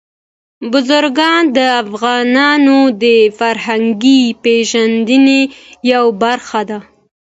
بزګان د افغانانو د فرهنګي پیژندنې یوه برخه ده.